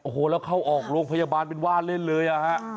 โอ้โหแล้วเข้าออกโรงพยาบาลเป็นว่าเล่นเลยอะฮะ